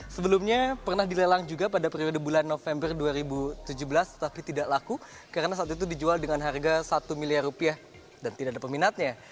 sebelumnya pernah dilelang juga pada periode bulan november dua ribu tujuh belas tapi tidak laku karena saat itu dijual dengan harga satu miliar rupiah dan tidak ada peminatnya